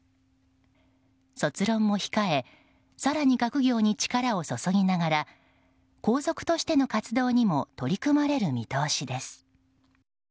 卒論も控え更に学業に力を注ぎながら皇族としての活動にも取り組まれる見通しです。